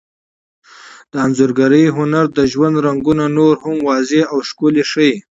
د انځورګرۍ هنر د ژوند رنګونه نور هم واضح او ښکلي ښيي.